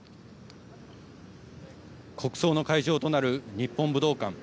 国葬の会場となる日本武道館。